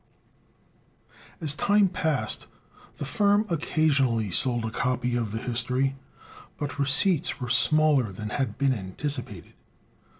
As time passed, the firm occasionally sold a copy of the "History," but receipts were smaller than had been anticipated.